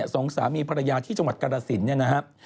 สองสามีภรรยาที่จังหวัดกรศิลป์